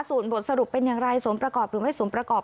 ส่วนบทสรุปเป็นอย่างไรสมประกอบหรือไม่สมประกอบ